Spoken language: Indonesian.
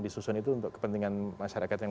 disusun itu untuk kepentingan masyarakat yang